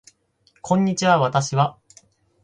こんにちは私は